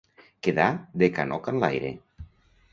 Quedar de canoca enlaire.